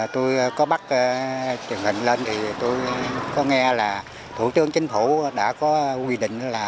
tôi có bắt truyền hình lên thì tôi có nghe là thủ tướng chính phủ đã có quy định là